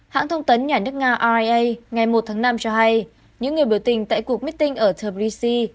hãng thông tấn nhà nước nga ngày một tháng năm cho hay những người biểu tình tại cuộc meeting ở therbishi